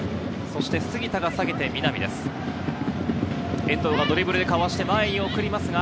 そして杉田が下げて南です。